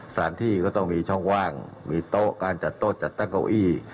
สถานที่ก็ต้องมีช่องว่างมีโต๊ะการจัดโต๊ะจัดตั้งเก้าอี้